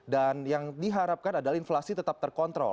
dan yang diharapkan adalah inflasi tetap terkontrol